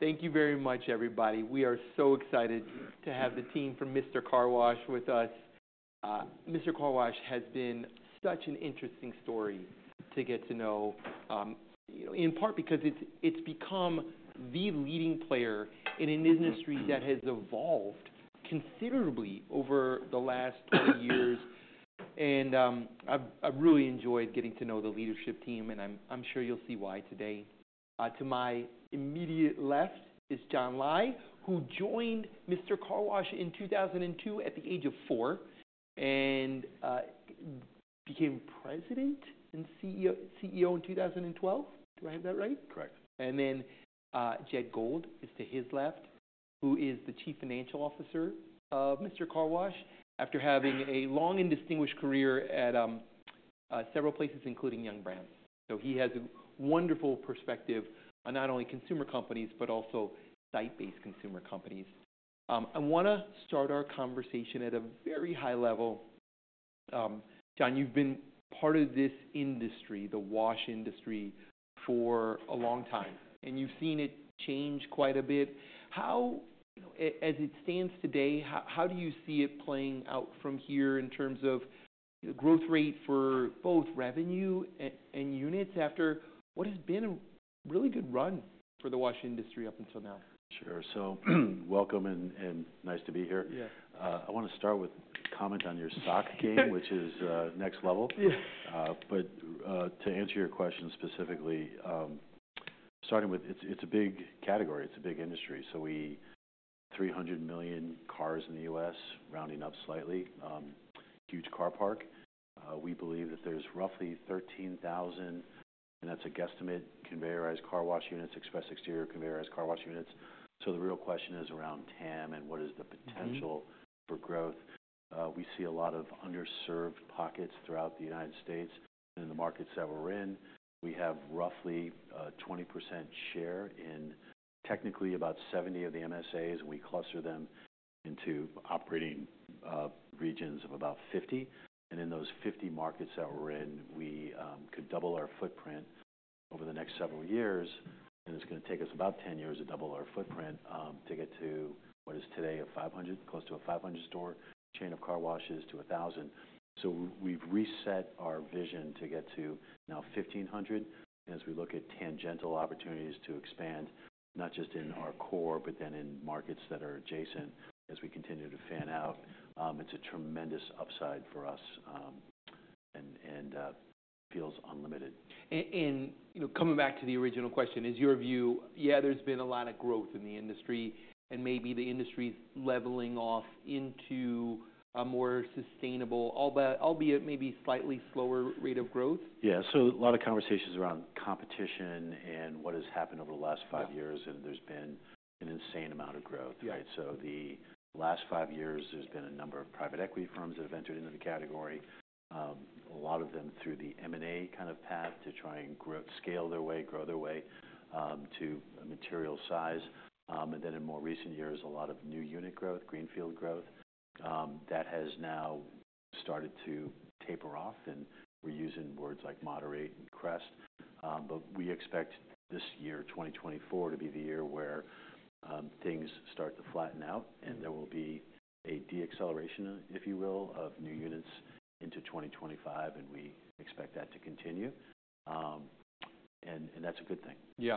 Thank you very much, everybody. We are so excited to have the team from Mister Car Wash with us. Mister Car Wash has been such an interesting story to get to know, you know, in part because it's become the leading player in an industry that has evolved considerably over the last 20 years. I've really enjoyed getting to know the leadership team, and I'm sure you'll see why today. To my immediate left is John Lai, who joined Mister Car Wash in 2002 at the age of 24 and became president and CEO in 2012. Do I have that right? Correct. Jed Gold is to his left, who is the Chief Financial Officer of Mister Car Wash after having a long and distinguished career at several places including Yum! Brands. So he has a wonderful perspective on not only consumer companies but also site-based consumer companies. I wanna start our conversation at a very high level. John, you've been part of this industry, the wash industry, for a long time, and you've seen it change quite a bit. How, you know, as it stands today, how do you see it playing out from here in terms of, you know, growth rate for both revenue and units after what has been a really good run for the wash industry up until now? Sure. So welcome and nice to be here. Yeah. I wanna start with a comment on your sock game, which is, next level. Yeah. But to answer your question specifically, starting with it's, it's a big category. It's a big industry. So, 300 million cars in the U.S., rounding up slightly, huge car park. We believe that there's roughly 13,000, and that's a guesstimate, conveyorized car wash units, express exterior conveyorized car wash units. So the real question is around TAM and what is the potential for growth. We see a lot of underserved pockets throughout the United States. And in the markets that we're in, we have roughly 20% share in technically about 70 of the MSAs, and we cluster them into operating regions of about 50. And in those 50 markets that we're in, we could double our footprint over the next several years, and it's gonna take us about 10 years to double our footprint, to get to what is today a 500, close to a 500-store chain of car washes to 1,000. So we've reset our vision to get to now 1,500. And as we look at tangential opportunities to expand, not just in our core but then in markets that are adjacent, as we continue to fan out, it's a tremendous upside for us, and feels unlimited. And, you know, coming back to the original question, is your view, yeah, there's been a lot of growth in the industry, and maybe the industry's leveling off into a more sustainable, albeit maybe slightly slower rate of growth? Yeah. So a lot of conversations around competition and what has happened over the last five years, and there's been an insane amount of growth, right? Yeah. So the last 5 years, there's been a number of private equity firms that have entered into the category, a lot of them through the M&A kind of path to try and grow scale their way, grow their way, to material size. And then in more recent years, a lot of new unit growth, greenfield growth, that has now started to taper off, and we're using words like moderate and crest. But we expect this year, 2024, to be the year where things start to flatten out, and there will be a deceleration, if you will, of new units into 2025, and we expect that to continue. And that's a good thing. Yeah.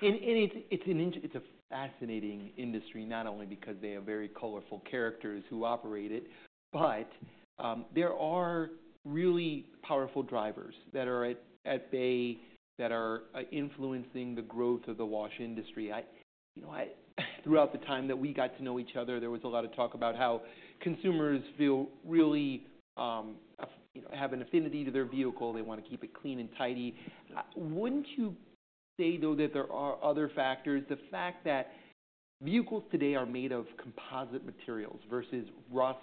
And it's an in it's a fascinating industry, not only because they have very colorful characters who operate it, but there are really powerful drivers that are at bay that are influencing the growth of the wash industry. You know, I throughout the time that we got to know each other, there was a lot of talk about how consumers feel really, you know, have an affinity to their vehicle. They wanna keep it clean and tidy. Wouldn't you say, though, that there are other factors, the fact that vehicles today are made of composite materials versus rust,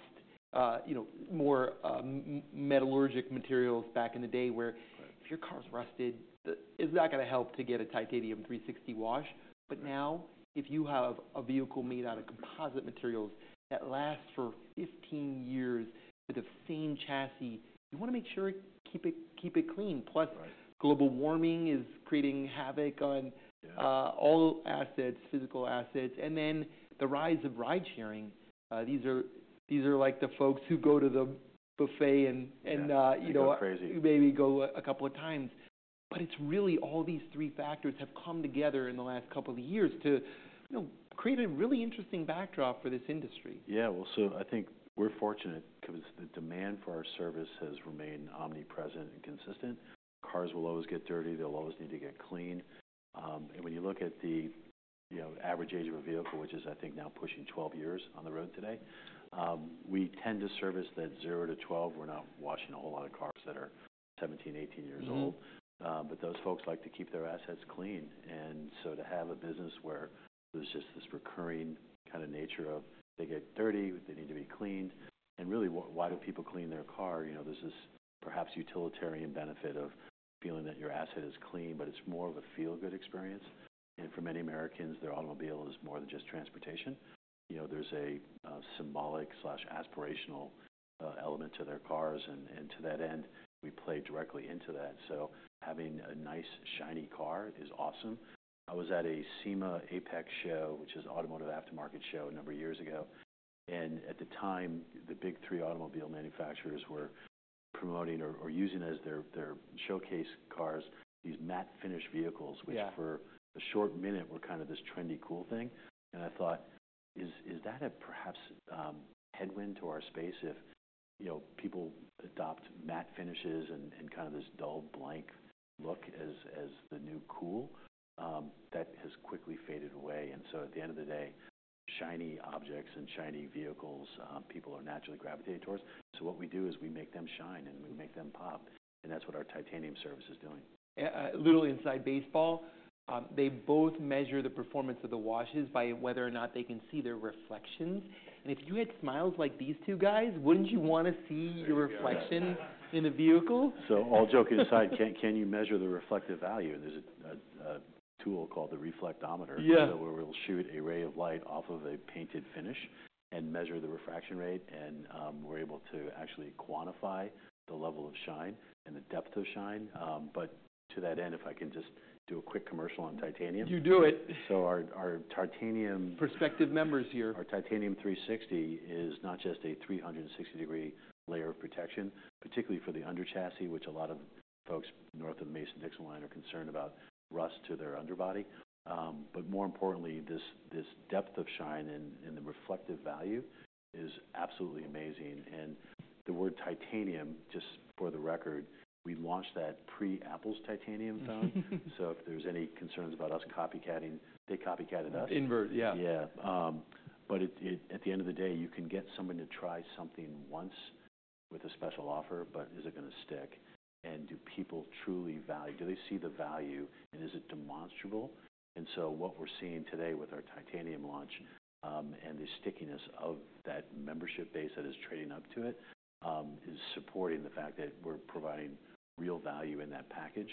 you know, more metallurgic materials back in the day where. Correct. If your car's rusted, then is that gonna help to get a Titanium 360 wash? But now, if you have a vehicle made out of composite materials that lasts for 15 years with the same chassis, you wanna make sure it keep it, keep it clean. Plus. Right. Global warming is creating havoc on. Yeah. all assets, physical assets. And then the rise of ride-sharing. These are like the folks who go to the buffet and, you know. They're going crazy. Maybe go a couple of times. But it's really all these three factors have come together in the last couple of years to, you know, create a really interesting backdrop for this industry. Yeah. Well, so I think we're fortunate 'cause the demand for our service has remained omnipresent and consistent. Cars will always get dirty. They'll always need to get clean. When you look at the, you know, average age of a vehicle, which is, I think, now pushing 12 years on the road today, we tend to service that 0-12. We're not washing a whole lot of cars that are 17-18 years old. but those folks like to keep their assets clean. And so to have a business where there's just this recurring kinda nature of they get dirty, they need to be cleaned, and really, why do people clean their car? You know, there's this perhaps utilitarian benefit of feeling that your asset is clean, but it's more of a feel-good experience. For many Americans, their automobile is more than just transportation. You know, there's a symbolic/aspirational element to their cars, and to that end, we play directly into that. So having a nice, shiny car is awesome. I was at a SEMA AAPEX show, which is Automotive Aftermarket Show, a number of years ago. And at the time, the big three automobile manufacturers were promoting or using as their showcase cars these matte-finished vehicles. Yeah. Which for a short minute were kinda this trendy cool thing. And I thought, is that perhaps a headwind to our space if, you know, people adopt matte finishes and kinda this dull, blank look as the new cool? That has quickly faded away. And so at the end of the day, shiny objects and shiny vehicles people are naturally gravitating towards. So what we do is we make them shine, and we make them pop. And that's what our Titanium service is doing. Ah, literally inside baseball, they both measure the performance of the washes by whether or not they can see their reflections. And if you had smiles like these two guys, wouldn't you wanna see your reflection in the vehicle? Yeah. Yeah. So all jokes aside, can you measure the reflective value? And there's a tool called the reflectometer. Yeah. So where we'll shoot a ray of light off of a painted finish and measure the refraction rate, and we're able to actually quantify the level of shine and the depth of shine. But to that end, if I can just do a quick commercial on titanium. You do it. So our titanium. Prospective members here. Our Titanium 360 is not just a 360-degree layer of protection, particularly for the underchassis, which a lot of folks north of Mason-Dixon Line are concerned about, rust to their underbody. But more importantly, this, this depth of shine and, and the reflective value is absolutely amazing. The word titanium, just for the record, we launched that pre-Apple's titanium phone. So, if there's any concerns about us copycatting, they copycatted us. Invert, yeah. Yeah. But it, it at the end of the day, you can get somebody to try something once with a special offer, but is it gonna stick? And do people truly value do they see the value, and is it demonstrable? And so what we're seeing today with our Titanium launch, and the stickiness of that membership base that is trading up to it, is supporting the fact that we're providing real value in that package.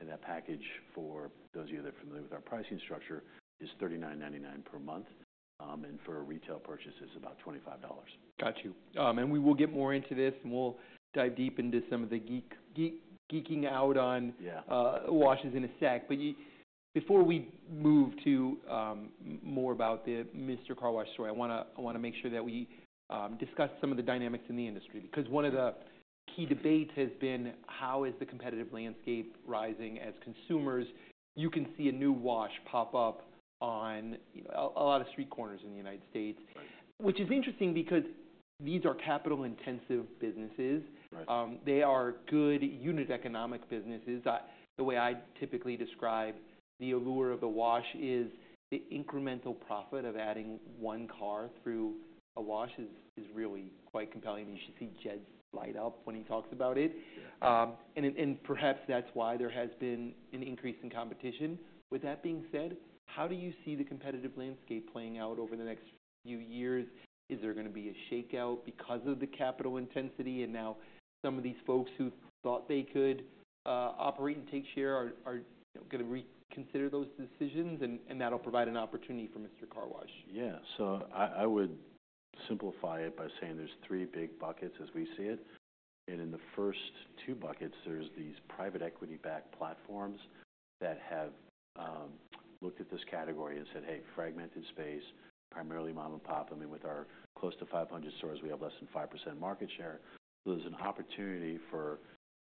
And that package, for those of you that are familiar with our pricing structure, is $39.99 per month. And for retail purchase, it's about $25. Gotcha. We will get more into this, and we'll dive deep into some of the geeking out on. Yeah. washes in a sec. But before we move to more about the Mister Car Wash story, I wanna make sure that we discuss some of the dynamics in the industry because one of the key debates has been how is the competitive landscape rising as consumers, you can see a new wash pop up on, you know, a lot of street corners in the United States. Right. Which is interesting because these are capital-intensive businesses. Right. They are good unit economic businesses. The way I typically describe the allure of a wash is the incremental profit of adding one car through a wash is really quite compelling. You should see Jed's light up when he talks about it. Perhaps that's why there has been an increase in competition. With that being said, how do you see the competitive landscape playing out over the next few years? Is there gonna be a shakeout because of the capital intensity? Now, some of these folks who thought they could operate and take share are, you know, gonna reconsider those decisions, and that'll provide an opportunity for Mister Car Wash. Yeah. So I, I would simplify it by saying there's three big buckets as we see it. And in the first two buckets, there's these private equity-backed platforms that have looked at this category and said, "Hey, fragmented space, primarily mom-and-pop. I mean, with our close to 500 stores, we have less than 5% market share." So there's an opportunity for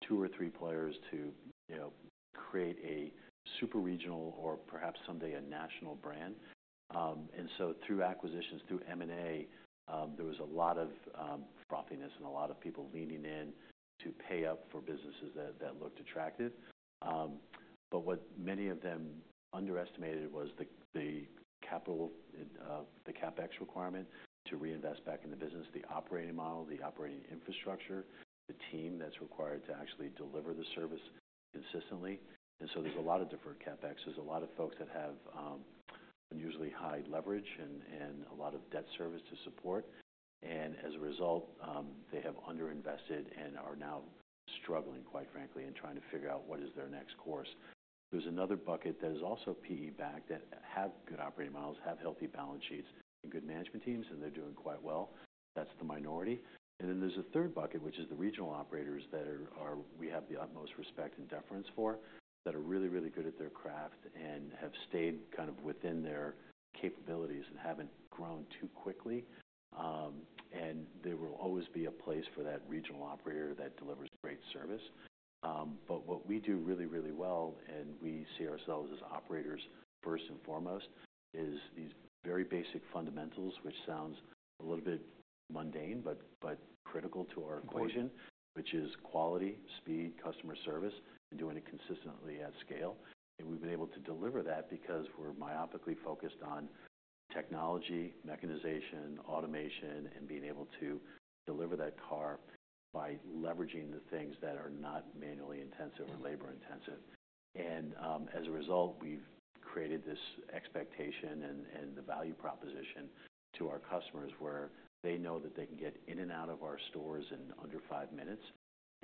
two or three players to, you know, create a super regional or perhaps someday a national brand. And so through acquisitions, through M&A, there was a lot of frothiness and a lot of people leaning in to pay up for businesses that looked attractive. But what many of them underestimated was the capital, the CapEx requirement to reinvest back in the business, the operating model, the operating infrastructure, the team that's required to actually deliver the service consistently. And so there's a lot of deferred CapEx. There's a lot of folks that have unusually high leverage and a lot of debt service to support. As a result, they have underinvested and are now struggling, quite frankly, in trying to figure out what is their next course. There's another bucket that is also PE-backed that have good operating models, have healthy balance sheets, and good management teams, and they're doing quite well. That's the minority. Then there's a third bucket, which is the regional operators that we have the utmost respect and deference for, that are really, really good at their craft and have stayed kind of within their capabilities and haven't grown too quickly. There will always be a place for that regional operator that delivers great service. but what we do really, really well, and we see ourselves as operators first and foremost, is these very basic fundamentals, which sounds a little bit mundane but critical to our equation. Which is quality, speed, customer service, and doing it consistently at scale. And we've been able to deliver that because we're myopically focused on technology, mechanization, automation, and being able to deliver that car by leveraging the things that are not manually intensive or labor-intensive. And, as a result, we've created this expectation and, and the value proposition to our customers where they know that they can get in and out of our stores in under five minutes.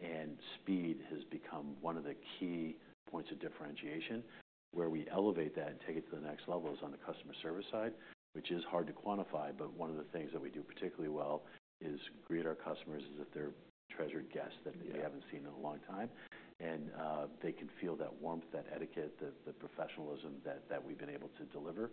And speed has become one of the key points of differentiation. Where we elevate that and take it to the next level is on the customer service side, which is hard to quantify, but one of the things that we do particularly well is greet our customers as if they're treasured guests that they haven't seen in a long time. They can feel that warmth, that etiquette, the professionalism that we've been able to deliver.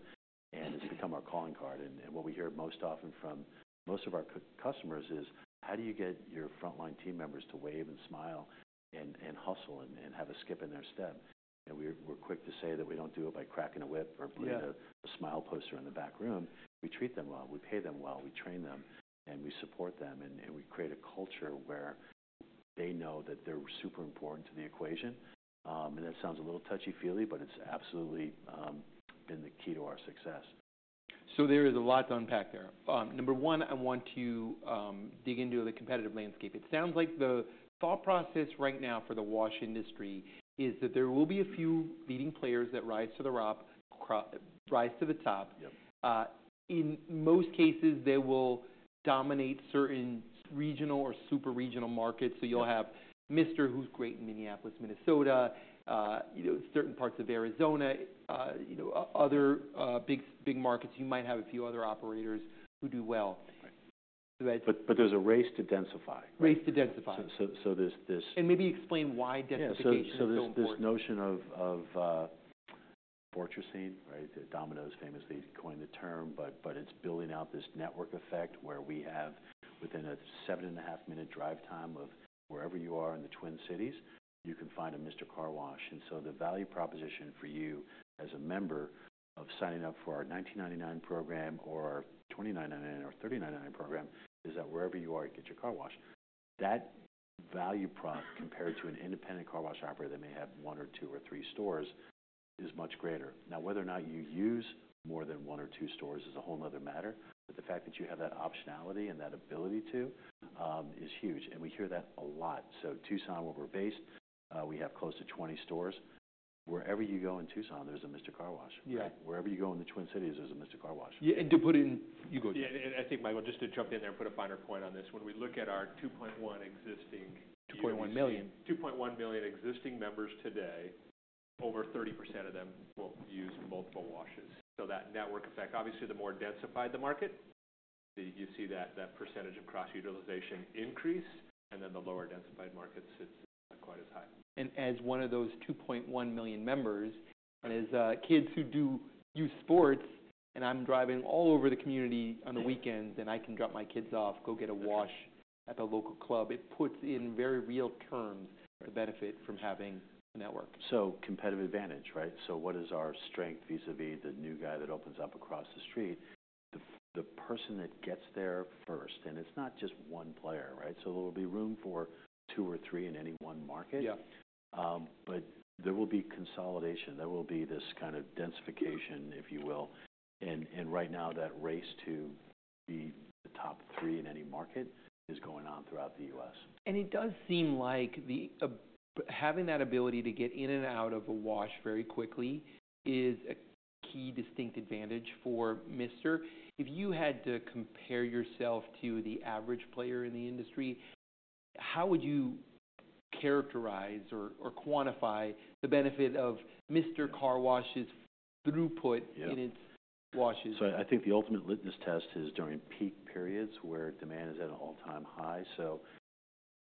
And it's become our calling card. And what we hear most often from most of our customers is, "How do you get your frontline team members to wave and smile and hustle and have a skip in their step?" And we're quick to say that we don't do it by cracking a whip or putting a.smile poster in the back room. We treat them well. We pay them well. We train them. And we support them. And we create a culture where they know that they're super important to the equation, and that sounds a little touchy-feely, but it's absolutely been the key to our success. So there is a lot to unpack there. Number 1, I want to dig into the competitive landscape. It sounds like the thought process right now for the wash industry is that there will be a few leading players that rise to the top. Yep. In most cases, they will dominate certain regional or super regional markets. So you'll have Mister who's great in Minneapolis, Minnesota, you know, certain parts of Arizona, you know, other, big, big markets. You might have a few other operators who do well. Right. So that's. But there's a race to densify, right? Race to densify. So there's this. Maybe explain why densification is so important. Yeah. So there's this notion of the fortressing, right? Domino's famously coined the term, but it's building out this network effect where we have, within a 7.5-minute drive time of wherever you are in the Twin Cities, you can find a Mister Car Wash. And so the value proposition for you as a member of signing up for our $19.99 program or our $29.99 or $39.99 program is that wherever you are, you get your car wash. That value pro compared to an independent car wash operator that may have one or two or three stores is much greater. Now, whether or not you use more than one or two stores is a whole nother matter, but the fact that you have that optionality and that ability to is huge. And we hear that a lot. Tucson, where we're based, we have close to 20 stores. Wherever you go in Tucson, there's a Mister Car Wash. Right. Wherever you go in the Twin Cities, there's a Mister Car Wash. Yeah. And to put in you go, Jed? Yeah. And, I think, Michael, just to jump in there and put a finer point on this. When we look at our 2.1 existing. 2.1 million. 2.1 million existing members today, over 30% of them will use multiple washes. So that network effect, obviously, the more densified the market, you see that, that percentage of cross-utilization increase, and then the lower densified markets, it's quite as high. As one of those 2.1 million members. As kids who do use sports, and I'm driving all over the community on the weekends, and I can drop my kids off, go get a wash at the local club, it puts in very real terms the benefit from having a network. Competitive advantage, right? What is our strength vis-à-vis the new guy that opens up across the street? The person that gets there first, and it's not just one player, right? There will be room for two or three in any one market. Yeah. But there will be consolidation. There will be this kind of densification, if you will. And right now, that race to be the top three in any market is going on throughout the U.S. It does seem like that having that ability to get in and out of a wash very quickly is a key distinct advantage for Mister Car Wash. If you had to compare yourself to the average player in the industry, how would you characterize or, or quantify the benefit of Mister Car Wash's throughput. Yeah. In its washes? So I think the ultimate litmus test is during peak periods where demand is at an all-time high. So,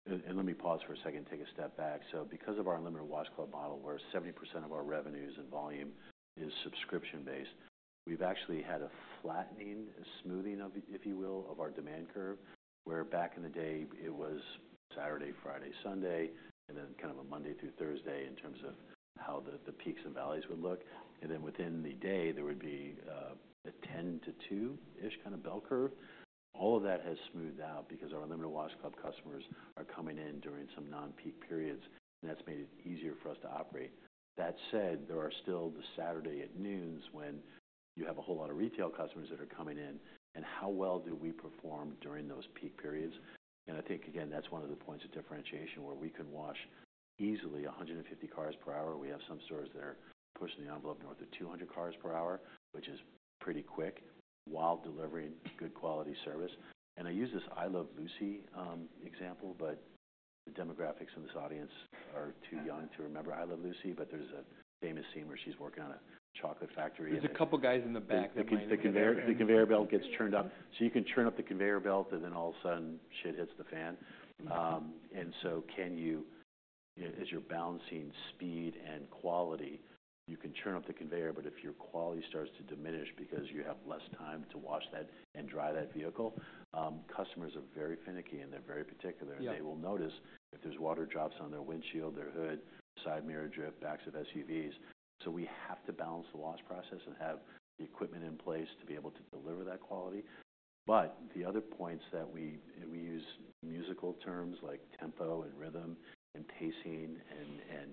and let me pause for a second, take a step back. So because of our Unlimited Wash Club model, where 70% of our revenues and volume is subscription-based, we've actually had a flattening, a smoothing of, if you will, of our demand curve, where back in the day, it was Saturday, Friday, Sunday, and then kind of a Monday through Thursday in terms of how the, the peaks and valleys would look. And then within the day, there would be a 10 to 2-ish kind of bell curve. All of that has smoothed out because our Unlimited Wash Club customers are coming in during some non-peak periods, and that's made it easier for us to operate. That said, there are still the Saturday at noons when you have a whole lot of retail customers that are coming in, and how well do we perform during those peak periods? And I think, again, that's one of the points of differentiation where we can wash easily 150 cars per hour. We have some stores that are pushing the envelope north of 200 cars per hour, which is pretty quick while delivering good quality service. And I use this I Love Lucy example, but the demographics in this audience are too young to remember I Love Lucy. But there's a famous scene where she's working on a chocolate factory and. There's a couple guys in the back that might remember. The conveyor belt gets churned up. So you can churn up the conveyor belt, and then all of a sudden, shit hits the fan. And so can you balance speed and quality, you can churn up the conveyor, but if your quality starts to diminish because you have less time to wash that and dry that vehicle, customers are very finicky, and they're very particular. Yeah. They will notice if there's water drops on their windshield, their hood, side mirror drip, backs of SUVs. We have to balance the wash process and have the equipment in place to be able to deliver that quality. The other points that we and we use musical terms like tempo and rhythm and pacing, and, and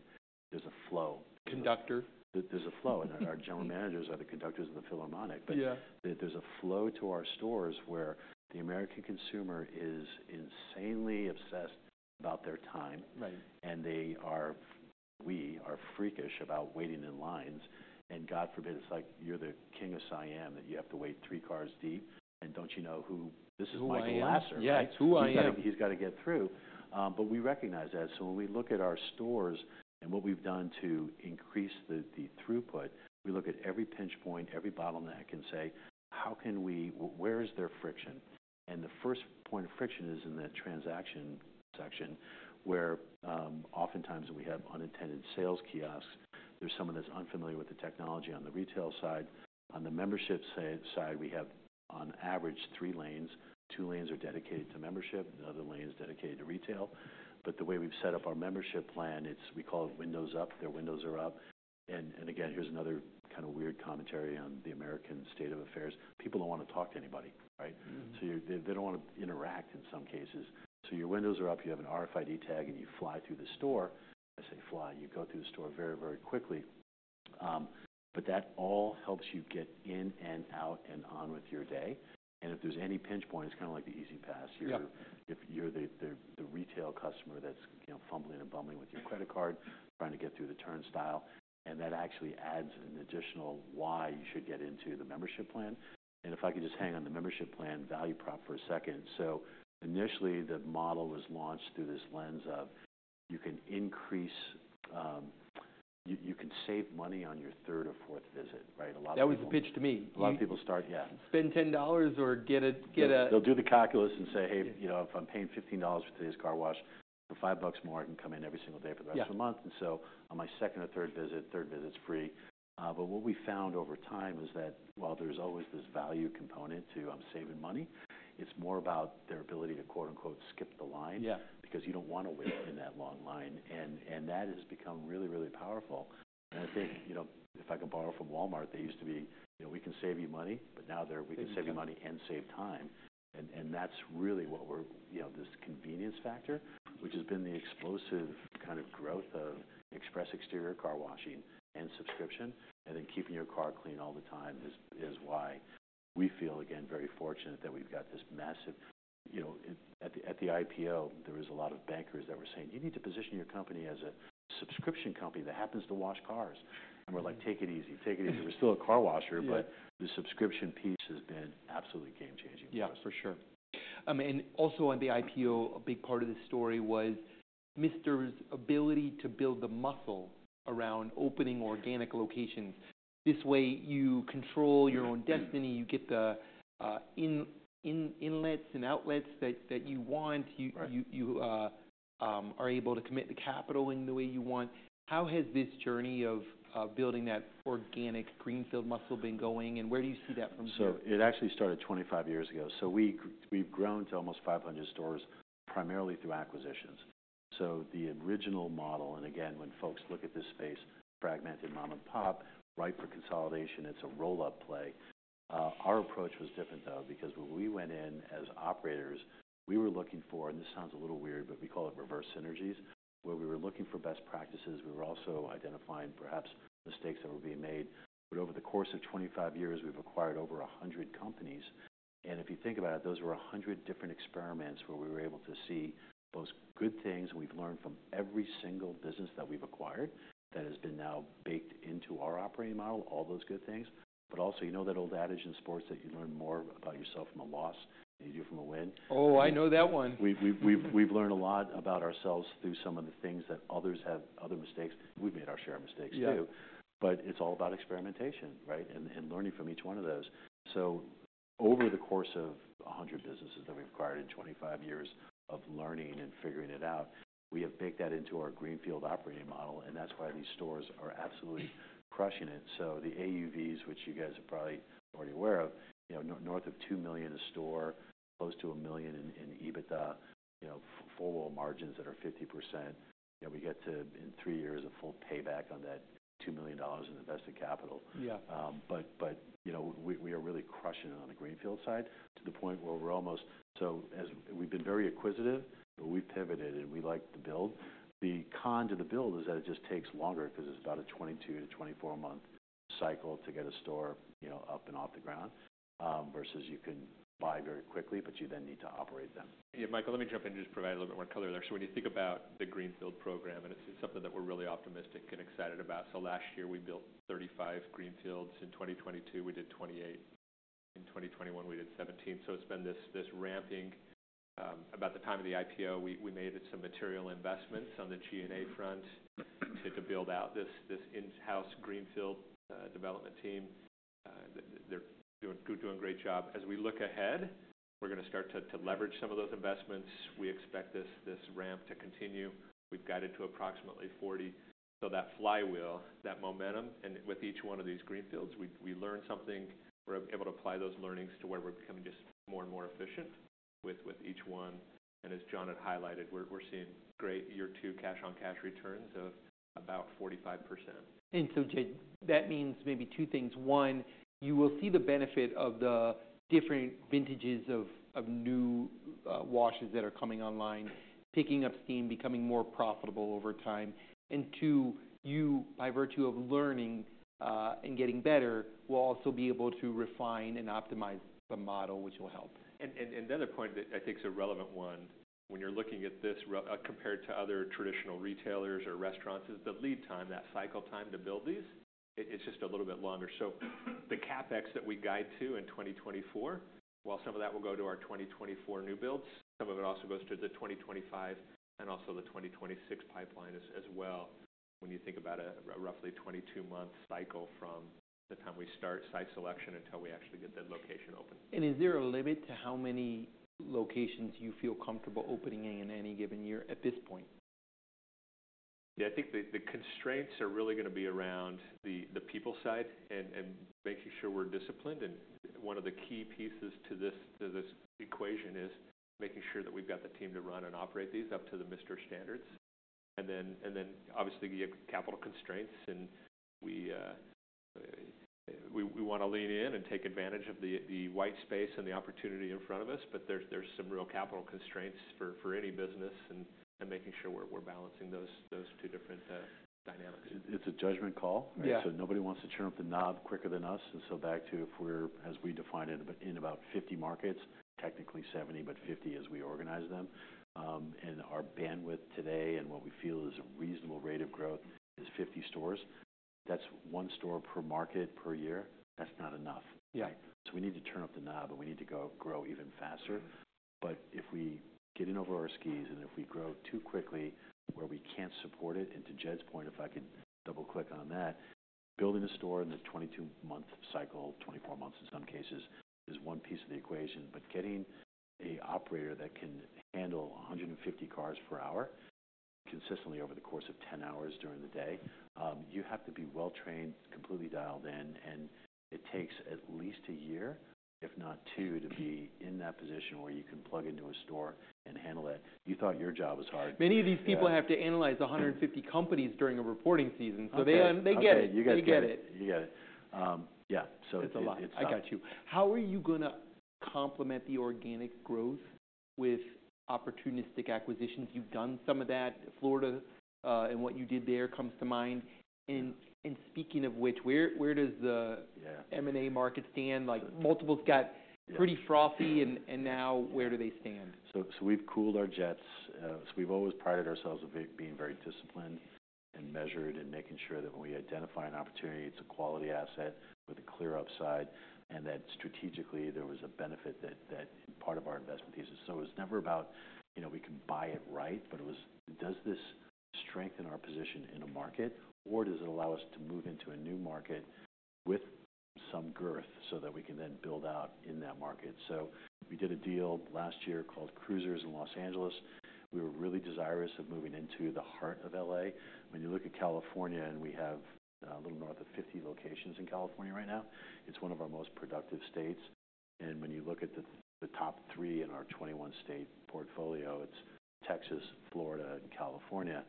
there's a flow. Conductor? There's a flow. And our general managers are the conductors in the Philharmonic. But. Yeah. There's a flow to our stores where the American consumer is insanely obsessed about their time. Right. They are we are freakish about waiting in lines. God forbid, it's like, "You're the king of Siam, that you have to wait three cars deep. And don't you know who this is, Michael Lasser. Who I am. He's gotta he's gotta get through. But we recognize that. So when we look at our stores and what we've done to increase the throughput, we look at every pinch point, every bottleneck, and say, "How can we where is there friction?" And the first point of friction is in the transaction section where, oftentimes, we have unattended sales kiosks. There's someone that's unfamiliar with the technology on the retail side. On the membership side, we have, on average, three lanes. Two lanes are dedicated to membership. The other lane is dedicated to retail. But the way we've set up our membership plan, it's we call it windows up. Their windows are up. And, and again, here's another kind of weird commentary on the American state of affairs. People don't wanna talk to anybody, right? So they, they don't wanna interact in some cases. So your windows are up. You have an RFID tag, and you fly through the store. I say fly. You go through the store very, very quickly. But that all helps you get in and out and on with your day. And if there's any pinch point, it's kinda like the easy pass. You're. Yeah. If you're the retail customer that's, you know, fumbling and bumbling with your credit card, trying to get through the turnstile, and that actually adds an additional why you should get into the membership plan. If I could just hang on the membership plan value prop for a second. Initially, the model was launched through this lens of you can save money on your third or fourth visit, right? A lot of people. That was the pitch to me. A lot of people start yeah. Spend $10 or get a. They'll do the calculus and say, "Hey, you know, if I'm paying $15 for today's car wash, for $5 more, I can come in every single day for the rest of the month." And so on my second or third visit third visit's free. But what we found over time is that while there's always this value component to saving money, it's more about their ability to, quote-unquote, "skip the line. Yeah. Because you don't wanna wait in that long line. And, and that has become really, really powerful. And I think, you know, if I could borrow from Walmart, they used to be, you know, "We can save you money," but now they're. Right. We can save you money and save time." And that's really what we're, you know, this convenience factor, which has been the explosive kind of growth of express exterior car washing and subscription, and then keeping your car clean all the time is why we feel, again, very fortunate that we've got this massive, you know, at the IPO, there was a lot of bankers that were saying, "You need to position your company as a subscription company that happens to wash cars." And we're like, "Take it easy. Take it easy." We're still a car washer, but. Yeah. The subscription piece has been absolutely game-changing for us. Yeah. For sure. I mean, and also on the IPO, a big part of the story was Mister's ability to build the muscle around opening organic locations. This way, you control your own destiny. You get the inlets and outlets that you want. You are able to commit the capital in the way you want. How has this journey of building that organic greenfield muscle been going, and where do you see that from here? So it actually started 25 years ago. So we've, we've grown to almost 500 stores primarily through acquisitions. So the original model and again, when folks look at this space, fragmented mom-and-pop, ripe for consolidation, it's a roll-up play. Our approach was different, though, because when we went in as operators, we were looking for and this sounds a little weird, but we call it reverse synergies. Where we were looking for best practices, we were also identifying perhaps mistakes that were being made. But over the course of 25 years, we've acquired over 100 companies. And if you think about it, those were 100 different experiments where we were able to see both good things, and we've learned from every single business that we've acquired that has been now baked into our operating model, all those good things. But also, you know that old adage in sports that you learn more about yourself from a loss than you do from a win? Oh, I know that one. We've learned a lot about ourselves through some of the things that others have other mistakes. We've made our share of mistakes too. Yeah. But it's all about experimentation, right, and learning from each one of those. So over the course of 100 businesses that we've acquired in 25 years of learning and figuring it out, we have baked that into our greenfield operating model, and that's why these stores are absolutely crushing it. So the AUVs, which you guys are probably already aware of, you know, north of $2 million a store, close to $1 million in EBITDA, you know, four-wall margins that are 50%. You know, we get to, in three years, a full payback on that $2 million in invested capital. Yeah. But you know, we are really crushing it on the greenfield side to the point where we're almost so as we've been very acquisitive, but we've pivoted, and we like to build. The con to the build is that it just takes longer 'cause it's about a 22-24-month cycle to get a store, you know, up and off the ground, versus you can buy very quickly, but you then need to operate them. Yeah. Michael, let me jump in and just provide a little bit more color there. So when you think about the greenfield program, and it's something that we're really optimistic and excited about. So last year, we built 35 greenfields. In 2022, we did 28. In 2021, we did 17. So it's been this ramping. About the time of the IPO, we made some material investments on the G&A front to build out this in-house greenfield development team. They're doing a great job. As we look ahead, we're gonna start to leverage some of those investments. We expect this ramp to continue. We've got it to approximately 40. So that flywheel, that momentum, and with each one of these greenfields, we learn something. We're able to apply those learnings to where we're becoming just more and more efficient with each one. As John had highlighted, we're seeing great year-two cash-on-cash returns of about 45%. And so, Jed, that means maybe two things. One, you will see the benefit of the different vintages of new washes that are coming online, picking up steam, becoming more profitable over time. And two, you, by virtue of learning, and getting better, will also be able to refine and optimize the model, which will help. And the other point that I think's a relevant one, when you're looking at this re compared to other traditional retailers or restaurants, is the lead time, that cycle time to build these, it's just a little bit longer. So the CapEx that we guide to in 2024, while some of that will go to our 2024 new builds, some of it also goes to the 2025 and also the 2026 pipeline as well when you think about a roughly 22-month cycle from the time we start site selection until we actually get that location open. Is there a limit to how many locations you feel comfortable opening in any given year at this point? Yeah. I think the constraints are really gonna be around the people side and making sure we're disciplined. And one of the key pieces to this equation is making sure that we've got the team to run and operate these up to the Mister standards. And then, obviously, you have capital constraints, and we wanna lean in and take advantage of the white space and the opportunity in front of us. But there's some real capital constraints for any business and making sure we're balancing those two different dynamics. It's a judgment call, right? Yeah. So nobody wants to churn up the knob quicker than us. And so back to if we're as we define it, about in about 50 markets, technically 70, but 50 as we organize them, and our bandwidth today and what we feel is a reasonable rate of growth is 50 stores. That's one store per market per year. That's not enough, right? Yeah. So we need to turn up the knob, and we need to go grow even faster. But if we get in over our skis and if we grow too quickly where we can't support it, and to Jed's point, if I could double-click on that, building a store in the 22-month cycle, 24 months in some cases, is one piece of the equation. But getting an operator that can handle 150 cars per hour consistently over the course of 10 hours during the day, you have to be well-trained, completely dialed in, and it takes at least a year, if not two, to be in that position where you can plug into a store and handle that. You thought your job was hard. Many of these people have to analyze 150 companies during a reporting season. So they get it. Okay. You gotcha. They get it. You got it. Yeah. So it's. It's a lot. I got you. How are you gonna complement the organic growth with opportunistic acquisitions? You've done some of that. Florida, and what you did there comes to mind. And, and speaking of which, where, where does the. Yeah. M&A market stand? Like, multiple's got pretty frothy, and, and now where do they stand? So we've cooled our jets. We've always prided ourselves of being very disciplined and measured and making sure that when we identify an opportunity, it's a quality asset with a clear upside and that strategically, there was a benefit that part of our investment thesis. So it was never about, you know, we can buy it right, but it was does this strengthen our position in a market, or does it allow us to move into a new market with some girth so that we can then build out in that market? So we did a deal last year called Cruisers in Los Angeles. We were really desirous of moving into the heart of L.A. When you look at California and we have a little north of 50 locations in California right now, it's one of our most productive states. When you look at the top three in our 21-state portfolio, it's Texas, Florida, and California.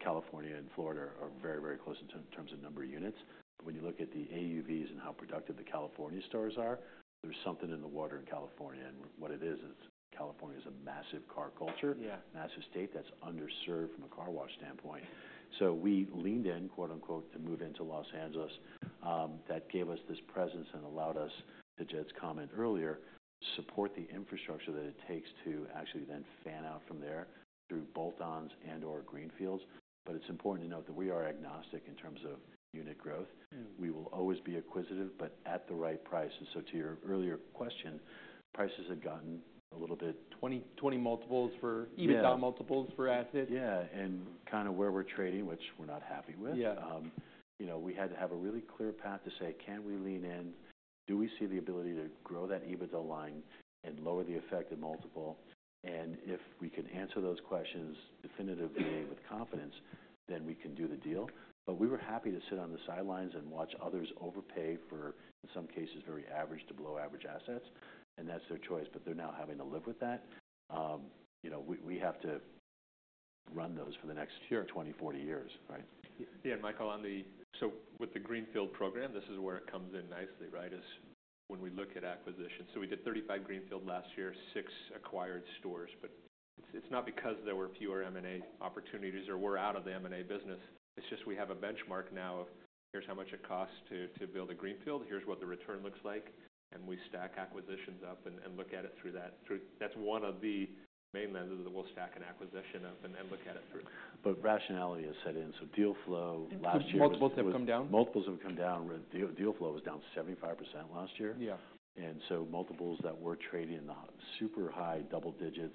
California and Florida are very, very close in terms of number of units. But when you look at the AUVs and how productive the California stores are, there's something in the water in California. And what it is, is California is a massive car culture. Yeah. Massive state that's underserved from a car wash standpoint. So we leaned in, quote-unquote, to move into Los Angeles. That gave us this presence and allowed us, to Jed's comment earlier, to support the infrastructure that it takes to actually then fan out from there through bolt-ons and/or greenfields. But it's important to note that we are agnostic in terms of unit growth. We will always be acquisitive, but at the right price. And so to your earlier question, prices have gotten a little bit. 20-20 multiples for EBITDA multiples for assets? Yeah. Yeah. And kinda where we're trading, which we're not happy with. Yeah. You know, we had to have a really clear path to say, "Can we lean in? Do we see the ability to grow that EBITDA line and lower the effect of multiple?" And if we can answer those questions definitively with confidence, then we can do the deal. But we were happy to sit on the sidelines and watch others overpay for, in some cases, very average to below-average assets. And that's their choice, but they're now having to live with that. You know, we have to run those for the next. Sure. 20, 40 years, right? Yeah. And Michael, on the so with the greenfield program, this is where it comes in nicely, right, is when we look at acquisitions. So we did 35 greenfield last year, 6 acquired stores. But it's, it's not because there were fewer M&A opportunities or we're out of the M&A business. It's just we have a benchmark now of, "Here's how much it costs to, to build a greenfield. Here's what the return looks like." And we stack acquisitions up and, and look at it through that through that's one of the main lenses that we'll stack an acquisition up and, and look at it through. Rationality has set in. Deal flow last year was. Multiples have come down? Multiples have come down. The deal flow was down 75% last year. Yeah. Multiples that were trading in the super high double digits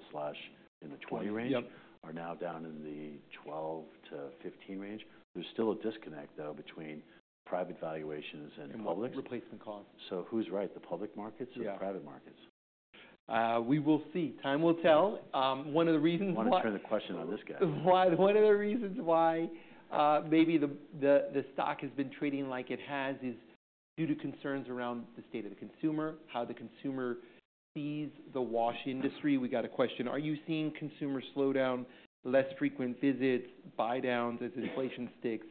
in the 20 range. Yep. Are now down in the 12-15 range. There's still a disconnect, though, between private valuations and publics. What replacement costs? Who's right? The public markets or the private markets? Yeah. We will see. Time will tell. One of the reasons why. I wanna turn the question on this guy. One of the reasons why, maybe the stock has been trading like it has is due to concerns around the state of the consumer, how the consumer sees the wash industry. We got a question. Are you seeing consumer slowdown, less frequent visits, buy-downs as inflation sticks,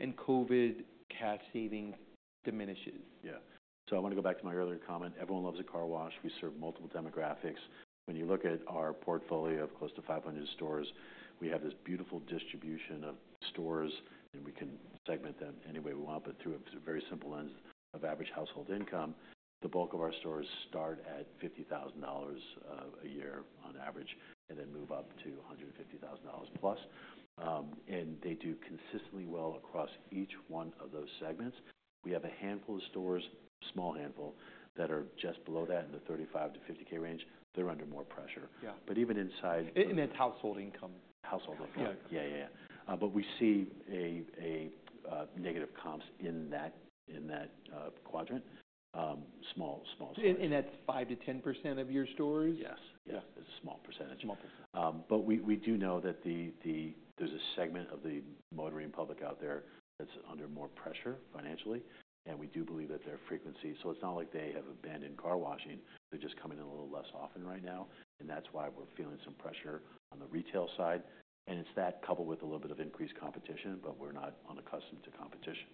and COVID cash savings diminishes? Yeah. So I wanna go back to my earlier comment. Everyone loves a car wash. We serve multiple demographics. When you look at our portfolio of close to 500 stores, we have this beautiful distribution of stores, and we can segment them any way we want, but through a very simple lens of average household income, the bulk of our stores start at $50,000 a year on average and then move up to $150,000+. And they do consistently well across each one of those segments. We have a handful of stores, small handful, that are just below that in the 35-50,000 range. They're under more pressure. Yeah. But even inside. That's household income. Household income. Yeah. Yeah. Yeah. Yeah, but we see a negative comps in that quadrant, small stores. And that's 5%-10% of your stores? Yes. Yeah. It's a small percentage. Small percentage. But we do know that there's a segment of the motoring public out there that's under more pressure financially. We do believe that their frequency so it's not like they have abandoned car washing. They're just coming in a little less often right now. That's why we're feeling some pressure on the retail side. It's that coupled with a little bit of increased competition, but we're not unaccustomed to competition.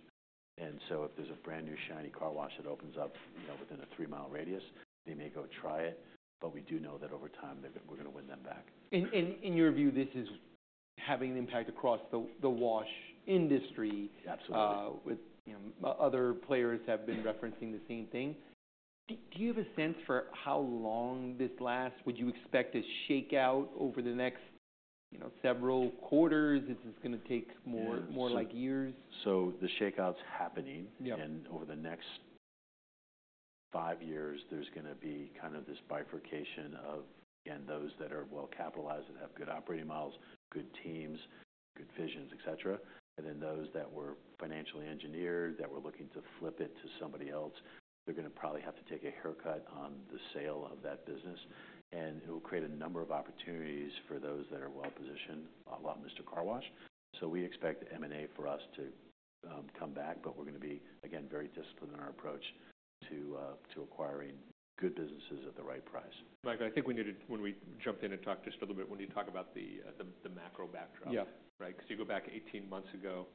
So if there's a brand new shiny car wash that opens up, you know, within a three-mile radius, they may go try it. But we do know that over time, they're gonna, we're gonna win them back. And in your view, this is having an impact across the wash industry. Absolutely. With, you know, other players have been referencing the same thing. Do you have a sense for how long this lasts? Would you expect a shakeout over the next, you know, several quarters? Is this gonna take more like years? The shakeout's happening. Yeah. Over the next five years, there's gonna be kind of this bifurcation of, again, those that are well-capitalized that have good operating models, good teams, good visions, etc. Then those that were financially engineered, that were looking to flip it to somebody else, they're gonna probably have to take a haircut on the sale of that business. It will create a number of opportunities for those that are well-positioned, a lot of Mister Car Wash. So we expect M&A for us to come back, but we're gonna be, again, very disciplined in our approach to acquiring good businesses at the right price. Michael, I think we needed when we jumped in and talked just a little bit when you talk about the macro backdrop. Yeah. Right? 'Cause you go back 18 months ago,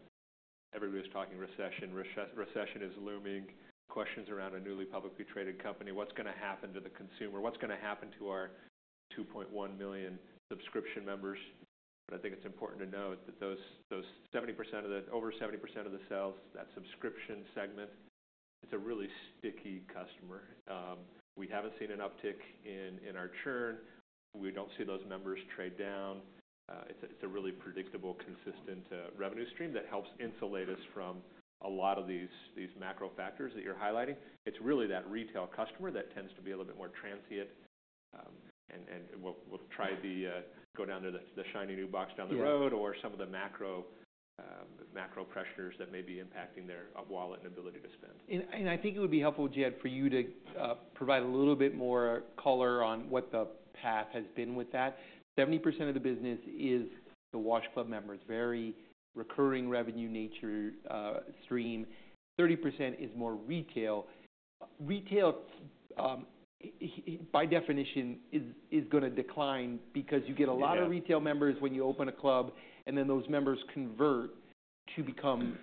everybody was talking recession. Recession is looming. Questions around a newly publicly traded company. What's gonna happen to the consumer? What's gonna happen to our 2.1 million subscription members? But I think it's important to note that those 70% of the over 70% of the sales, that subscription segment, it's a really sticky customer. We haven't seen an uptick in our churn. We don't see those members trade down. It's a really predictable, consistent revenue stream that helps insulate us from a lot of these macro factors that you're highlighting.It's really that retail customer that tends to be a little bit more transient, and we'll try to go down to the shiny new box down the road or some of the macro pressures that may be impacting their wallet and ability to spend. I think it would be helpful, Jed, for you to provide a little bit more color on what the path has been with that. 70% of the business is the wash club members, very recurring revenue nature, stream. 30% is more retail. Retail, by definition, is gonna decline because you get a lot of retail members when you open a club, and then those members convert to become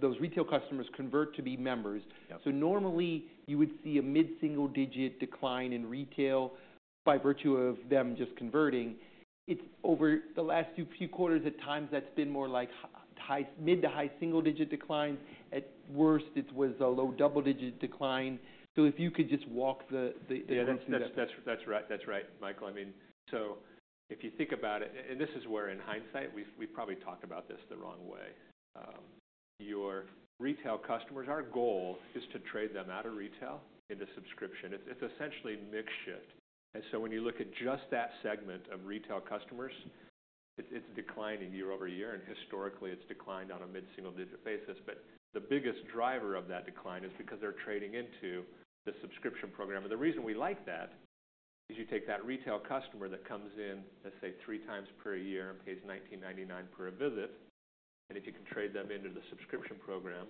those retail customers convert to be members. So normally, you would see a mid-single-digit decline in retail by virtue of them just converting. It's over the last few quarters, at times, that's been more like high mid- to high single-digit declines. At worst, it was a low double-digit decline. So if you could just walk the. Yeah. That's right. That's right, Michael. I mean, so if you think about it and this is where, in hindsight, we've probably talked about this the wrong way. Your retail customers, our goal is to trade them out of retail into subscription. It's essentially a mixed shift. And so when you look at just that segment of retail customers, it's declining year-over-year. And historically, it's declined on a mid-single-digit basis. But the biggest driver of that decline is because they're trading into the subscription program. The reason we like that is you take that retail customer that comes in, let's say, 3x per year and pays $19.99 per a visit, and if you can trade them into the subscription program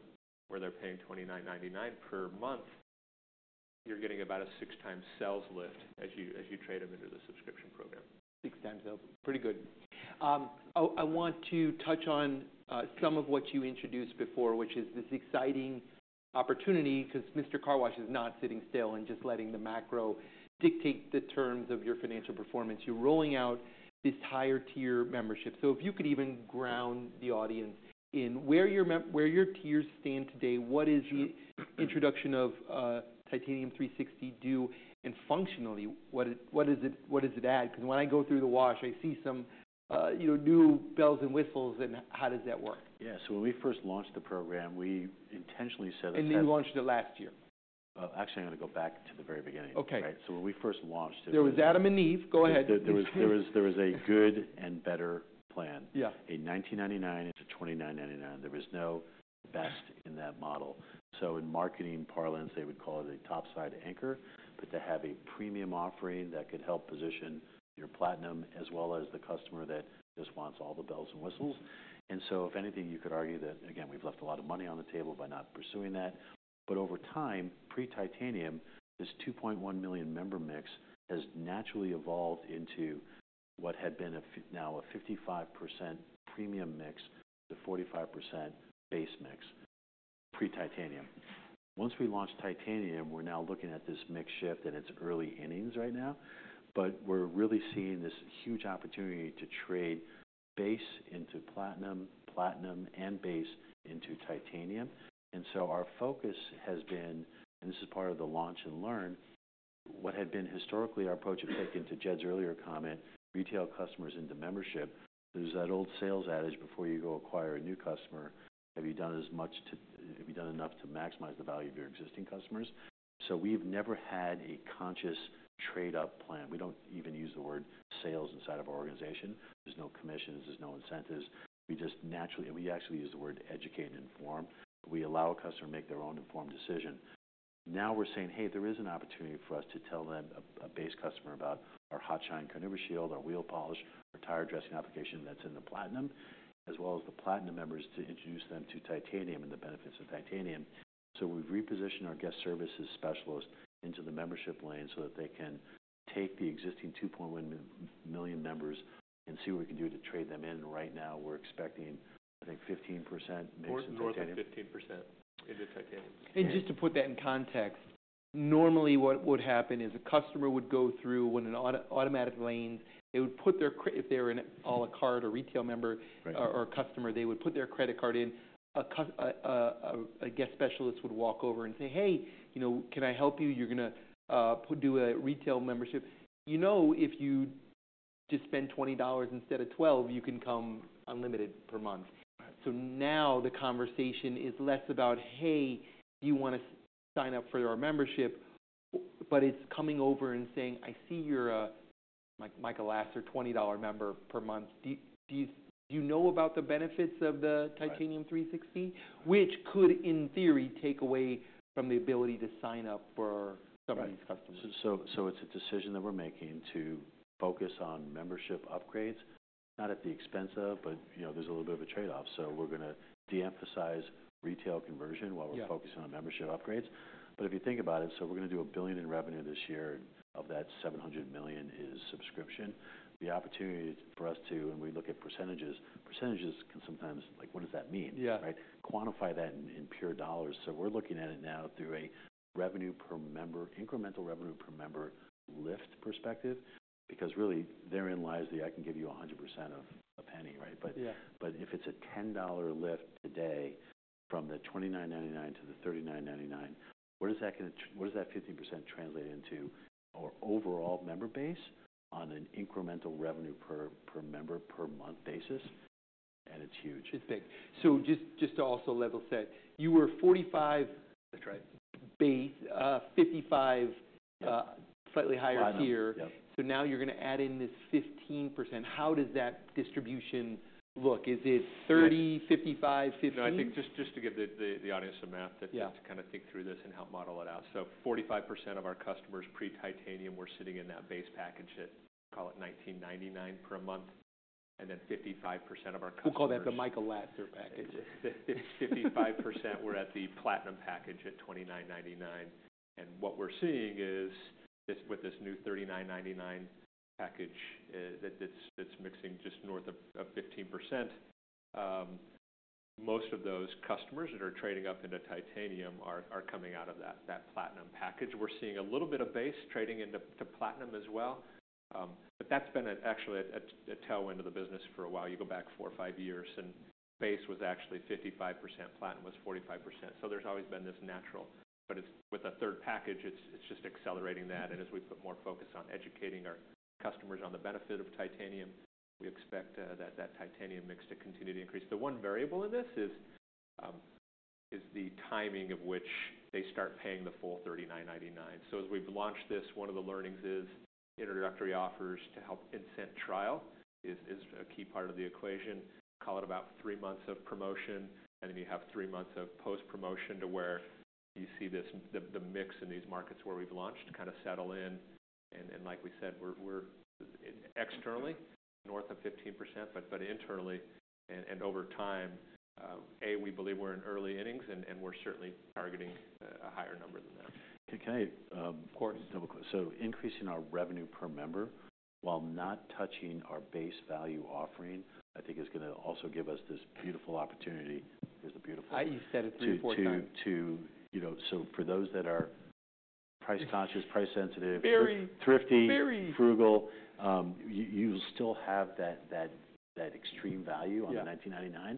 where they're paying $29.99 per month, you're getting about a 6-time sales lift as you trade them into the subscription program. 6x sales. Pretty good. I want to touch on some of what you introduced before, which is this exciting opportunity 'cause Mister Car Wash is not sitting still and just letting the macro dictate the terms of your financial performance. You're rolling out this higher-tier membership. So if you could even ground the audience in where your tiers stand today, what is the introduction of Titanium 360, and functionally, what does it add? 'Cause when I go through the wash, I see some, you know, new bells and whistles. And how does that work? Yeah. When we first launched the program, we intentionally set us. And then you launched it last year. Actually, I'm gonna go back to the very beginning. Okay. Right? So when we first launched it. There was Adam and Eve. Go ahead. There was a good and better plan. Yeah. At $19.99 into $29.99. There was no best in that model. So in marketing parlance, they would call it a topside anchor, but to have a premium offering that could help position your Platinum as well as the customer that just wants all the bells and whistles. And so if anything, you could argue that, again, we've left a lot of money on the table by not pursuing that. But over time, pre-Titanium, this 2.1 million member mix has naturally evolved into what had been, and now a 55% premium mix to 45% base mix pre-Titanium. Once we launched Titanium, we're now looking at this mix shift in its early innings right now. But we're really seeing this huge opportunity to trade base into Platinum, Platinum, and base into Titanium. And so our focus has been and this is part of the launch and learn. What had been historically our approach of taking, to Jed's earlier comment, retail customers into membership, there's that old sales adage: before you go acquire a new customer, "Have you done as much to have you done enough to maximize the value of your existing customers?" So we've never had a conscious trade-up plan. We don't even use the word sales inside of our organization. There's no commissions. There's no incentives. We just naturally and we actually use the word educate and inform. We allow a customer to make their own informed decision. Now we're saying, "Hey, there is an opportunity for us to tell them, a base customer, about our HotShine Carnauba Shield, our wheel polish, our tire dressing application that's in the Platinum, as well as the Platinum members to introduce them to Titanium and the benefits of Titanium." So we've repositioned our guest services specialist into the membership lane so that they can take the existing 2.1 million members and see what we can do to trade them in. And right now, we're expecting, I think, 15% mix into Titanium. More than 15% into Titanium. Just to put that in context, normally, what would happen is a customer would go through when in automatic lanes, they would put their credit card if they're an à la carte or retail member. Right. Or a customer, they would put their credit card in. A guest specialist would walk over and say, "Hey, you know, can I help you? You're gonna do a retail membership." You know, if you just spend $20 instead of $12, you can come unlimited per month. So now the conversation is less about, "Hey, do you wanna sign up for our membership?" But it's coming over and saying, "I see you're a, like, Michael Lasser, $20 member per month. Do you know about the benefits of the Titanium 360?" Which could, in theory, take away from the ability to sign up for some of these customers. Right. So it's a decision that we're making to focus on membership upgrades, not at the expense of but, you know, there's a little bit of a trade-off. So we're gonna de-emphasize retail conversion while we're focusing on membership upgrades. But if you think about it, so we're gonna do $1 billion in revenue this year, and of that, $700 million is subscription. The opportunity for us to and we look at percentages. Percentages can sometimes like, what does that mean? Yeah. Right? Quantify that in pure dollars. So we're looking at it now through a revenue per member incremental revenue per member lift perspective because, really, therein lies the, "I can give you 100% of a penny," right? But. Yeah. But if it's a $10 lift today from the $29.99 to the $39.99, what does that 15% translate into our overall member base on an incremental revenue per member per month basis? And it's huge. It's big. So just to also level set, you were 45. That's right. Base, $55, slightly higher tier. 50, yeah. So now you're gonna add in this 15%. How does that distribution look? Is it 30, 55, 50? No. I think just to give the audience some math that. Yeah. To kinda think through this and help model it out. So 45% of our customers pre-Titanium, we're sitting in that base package at, call it, $19.99 per month. And then 55% of our customers. We'll call that the Michael Lasser package. 55%, we're at the Platinum package at $29.99. What we're seeing is this with this new $39.99 package, that's mixing just north of 15%+, most of those customers that are trading up into Titanium are coming out of that Platinum package. We're seeing a little bit of Base trading into Platinum as well, but that's been actually a tailwind of the business for a while. You go back 4 or 5 years, and Base was actually 55%. Platinum was 45%. So there's always been this natural. But it's with a third package, it's just accelerating that. As we put more focus on educating our customers on the benefit of Titanium, we expect that Titanium mix to continue to increase. The one variable in this is the timing of which they start paying the full $39.99. So as we've launched this, one of the learnings is introductory offers to help incent trial is a key part of the equation. Call it about three months of promotion. And then you have three months of post-promotion to where you see this, the mix in these markets where we've launched kinda settle in. And like we said, we're externally north of 15%, but internally, and over time, we believe we're in early innings, and we're certainly targeting a higher number than that. Okay. Of course. Double question. So increasing our revenue per member while not touching our base value offering, I think, is gonna also give us this beautiful opportunity. Here's the beautiful. I, you said it 3x or 4x. you know, so for those that are price-conscious, price-sensitive. Very. Thrifty. Very. Frugal, you'll still have that extreme value on the $19.99. Yeah.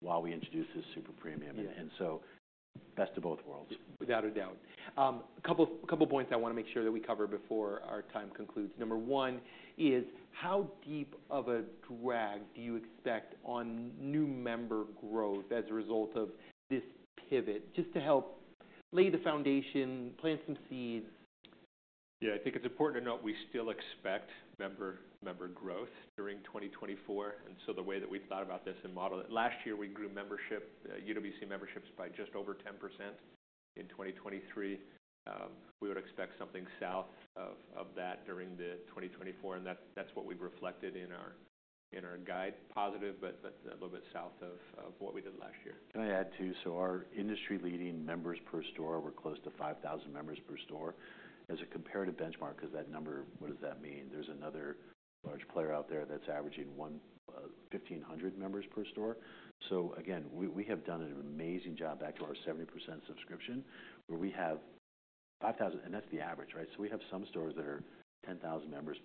While we introduce this super premium. Yeah. Best of both worlds. Without a doubt. A couple of points I wanna make sure that we cover before our time concludes. Number one is how deep of a drag do you expect on new member growth as a result of this pivot, just to help lay the foundation, plant some seeds? Yeah. I think it's important to note we still expect member growth during 2024. So the way that we've thought about this and modeled it, last year, we grew membership, UWC memberships by just over 10% in 2023. We would expect something south of that during 2024. And that's what we've reflected in our guide, positive but a little bit south of what we did last year. Can I add too? So our industry-leading members per store, we're close to 5,000 members per store. As a comparative benchmark, 'cause that number, what does that mean? There's another large player out there that's averaging 1,500 members per store. So again, we have done an amazing job back to our 70% subscription where we have 5,000 and that's the average, right? So we have some stores that are 10,000+ members.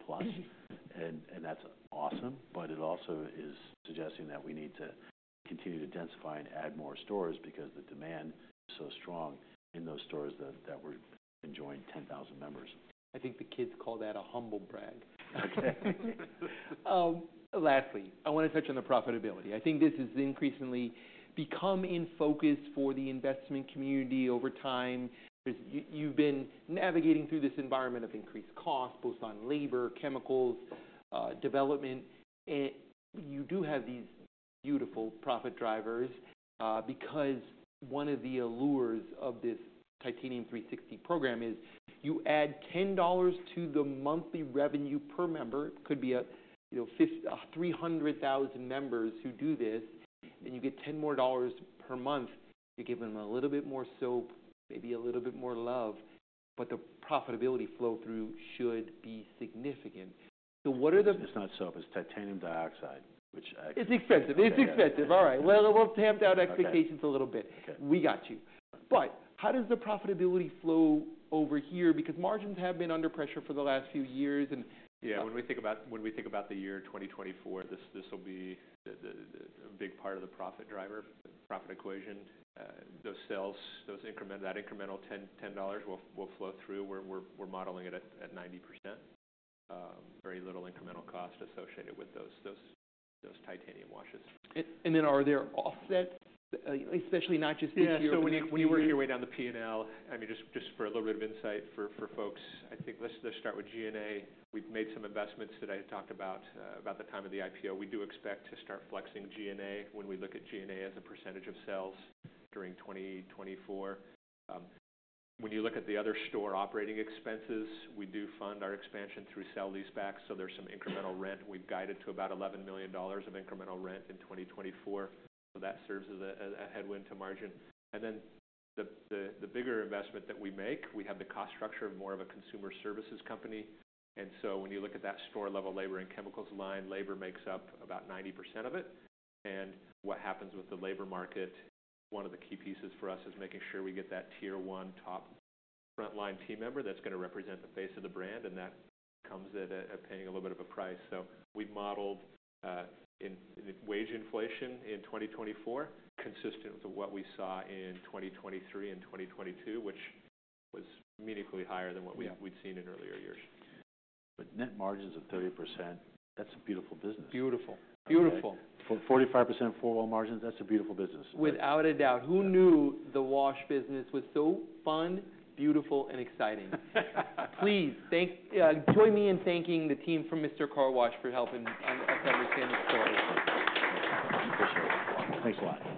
And that's awesome. But it also is suggesting that we need to continue to densify and add more stores because the demand is so strong in those stores that we're enjoying 10,000 members. I think the kids call that a humble brag. Okay. Lastly, I wanna touch on the profitability. I think this has increasingly become in focus for the investment community over time. You've been navigating through this environment of increased costs both on labor, chemicals, development. You do have these beautiful profit drivers, because one of the allures of this Titanium 360 program is you add $10 to the monthly revenue per member. It could be a, you know, 50-300,000 members who do this, and you get $10 more per month. You give them a little bit more soap, maybe a little bit more love. But the profitability flow-through should be significant. So what are the. It's not soap. It's titanium dioxide, which actually. It's expensive. It's expensive. All right. Well, we'll tamp down expectations a little bit. Okay. We got you. But how does the profitability flow over here? Because margins have been under pressure for the last few years. Yeah. When we think about the year 2024. This will be the big part of the profit driver, profit equation. Those sales, that incremental $10 will flow through. We're modeling it at 90%, very little incremental cost associated with those Titanium washes. And then, are there offsets, you know, especially not just this year? Yeah. So when you work your way down the P&L, I mean, just for a little bit of insight for folks, I think let's start with G&A. We've made some investments that I had talked about, about the time of the IPO. We do expect to start flexing G&A when we look at G&A as a percentage of sales during 2024. When you look at the other store operating expenses, we do fund our expansion through sale-leasebacks. So there's some incremental rent. We've guided to about $11 million of incremental rent in 2024. So that serves as a headwind to margin. And then the bigger investment that we make, we have the cost structure of more of a consumer services company. And so when you look at that store-level labor and chemicals line, labor makes up about 90% of it. What happens with the labor market? One of the key pieces for us is making sure we get that tier-one, top-frontline team member that's gonna represent the face of the brand. That comes at paying a little bit of a price. We've modeled in wage inflation in 2024 consistent with what we saw in 2023 and 2022, which was meaningfully higher than what we've. Yeah. We'd seen in earlier years. But net margins of 30%, that's a beautiful business. Beautiful. Beautiful. Okay. For 45% four-wall margins, that's a beautiful business. Without a doubt. Who knew the wash business was so fun, beautiful, and exciting? Please join me in thanking the team from Mister Car Wash for helping us understand the story. Appreciate it. Thanks a lot.